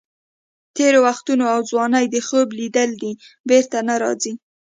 تېر وختونه او ځواني د خوب لیدل دي، بېرته نه راځي.